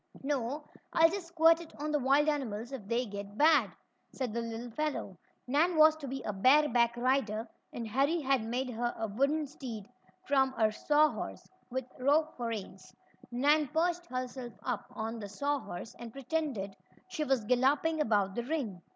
"No, I'll just squirt it on the wild animals if they get bad," said the little fellow. Nan was to be a bare back rider, and Harry had made her a wooden steed from a saw horse, with rope for reins. Nan perched herself up on the saw horse, and pretended she was galloping about the ring.